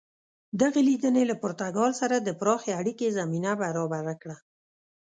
دغې لیدنې له پرتګال سره د پراخې اړیکې زمینه برابره کړه.